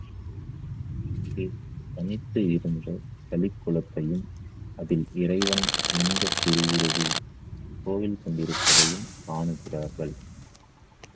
அங்கே தனித்து இருந்த தளிக் குளத்தையும் அதில் இறைவன் லிங்கத் திருவுருவில் கோயில் கொண்டிருப்பதையும் காணுகிறார்கள்.